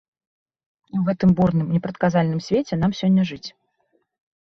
І ў гэтым бурным, непрадказальным свеце нам сёння жыць.